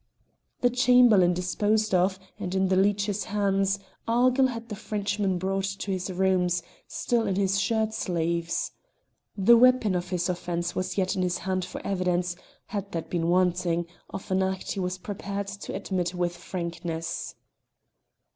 The Chamberlain disposed of, and in the leech's hands, Argyll had the Frenchman brought to his rooms, still in his shirt sleeves. The weapon of his offence was yet in his hand for evidence, had that been wanting, of an act he was prepared to admit with frankness.